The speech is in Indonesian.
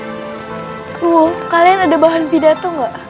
lho kalian ada bahan pidato gak